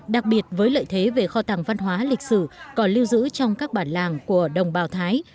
đặc biệt với lợi thế về kho tàng văn hóa lịch sử còn lưu giữ trong các bản làng của đồng bào thái